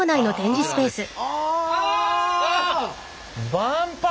万博。